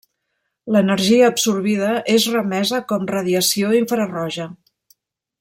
L'energia absorbida és remesa com radiació infraroja.